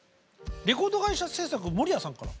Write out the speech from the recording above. レコード会社制作守谷さんから。